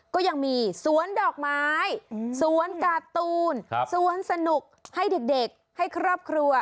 ก็ยังมีสวนดอกไม้สวนการ์ตูนสวนสนุกให้เด็กให้ครอบครัว